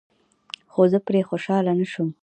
خو زه پرې خوشحاله نشوم.